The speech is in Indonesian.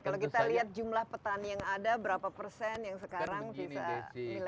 kalau kita lihat jumlah petani yang ada berapa persen yang sekarang bisa milih